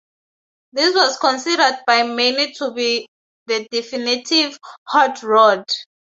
This was considered by many to be the definitive "hot rod".